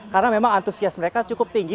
karena memang antusias mereka cukup tinggi